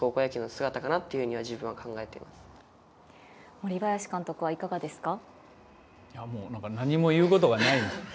森林監督はいかがですか。